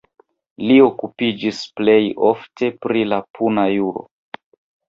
Li okupiĝis plej ofte pri la puna juro.